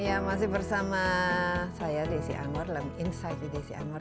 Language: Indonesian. ya masih bersama saya desi anwar dalam insight with desi anwar